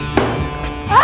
nah bahagia tapi